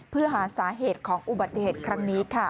เพื่อหาสาเหตุของอุบัติเหตุครั้งนี้ค่ะ